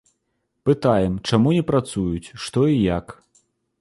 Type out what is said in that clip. Пытаем, чаму не працуюць, што і як.